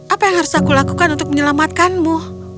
apa yang harus aku lakukan untuk menyelamatkanmu